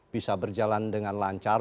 bisa berjalan dengan lancar